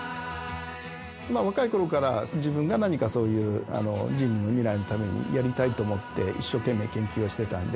若いころから自分が何かそういう人類の未来のためにやりたいと思って一生懸命研究をしてたんで。